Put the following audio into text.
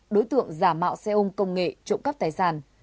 đối tượng giả mạo xe ôm công nghệ trộm cắp tài sản